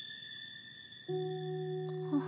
あっ。